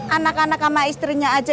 anak anak sama istrinya aja